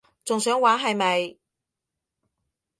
仲想玩係咪？